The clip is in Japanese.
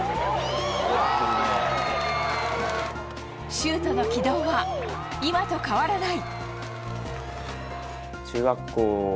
シュートの軌道は今と変わらない。